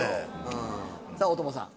さぁ大友さん